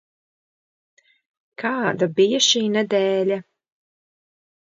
Kāda bija šī nedēļa?